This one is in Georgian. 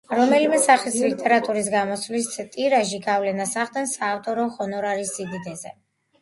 რომელიმე სახის ლიტერატურის გამოსვლისას ტირაჟი გავლენას ახდენს საავტორო ჰონორარის სიდიდეზე.